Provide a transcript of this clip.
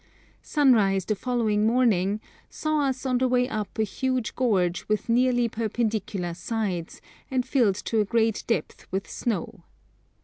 Sunrise the following morning saw us on the way up a huge gorge with nearly perpendicular sides, and filled to a great depth with snow.